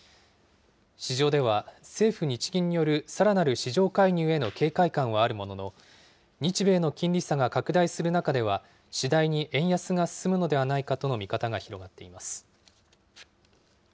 市場では、政府・日銀によるさらなる市場介入への警戒感はあるものの、日米の金利差が拡大する中では次第に円安が進むのではないかとの見方が広がっています。